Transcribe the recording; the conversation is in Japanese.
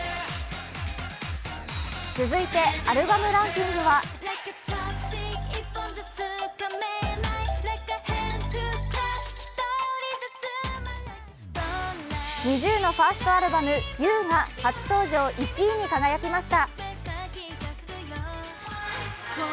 続いて、アルバムランキングはＮｉｚｉＵのファーストアルバム「Ｕ」が初登場１位に輝きました。